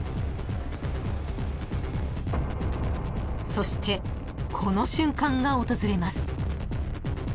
［そしてこの瞬間が訪れます］